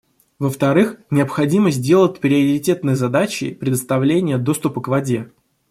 Во-вторых, необходимо сделать приоритетной задачей предоставление доступа к воде.